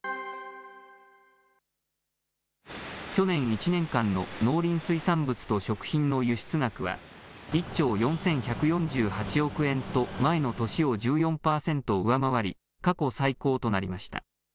去年１年間の農林水産物と食品の輸出額は、１兆４１４８億円と、前の年を１４％上回り、過去最高となりました。